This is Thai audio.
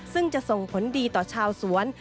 ซึ่งจะส่งผลดีต่อชาวสวน